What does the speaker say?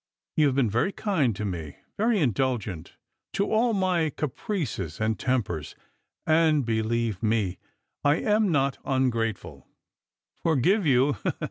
You have been very kind to me, verjr indulgent to all my caprices and tempers, and believe me I am not ungrateful. "Forgive you!